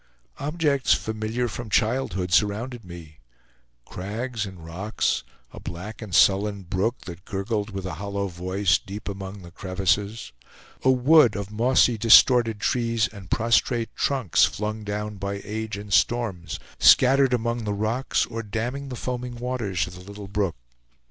Objects familiar from childhood surrounded me; crags and rocks, a black and sullen brook that gurgled with a hollow voice deep among the crevices, a wood of mossy distorted trees and prostrate trunks flung down by age and storms, scattered among the rocks, or damming the foaming waters of the little brook.